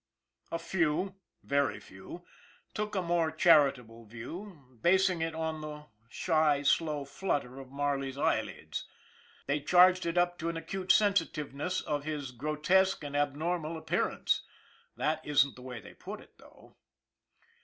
A few, very few, took a more charitable view, bas ing it on the shy, slow flutter of Marley's eyelids MARLEY 217 they charged it up to an acute sensitiveness of his grotesque and abnormal appearance. That isn't the way they put it, though.